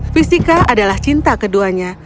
fisika adalah cinta keduanya